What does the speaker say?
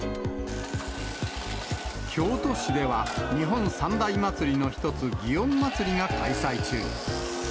京都市では、日本三大祭りの一つ、祇園祭が開催中。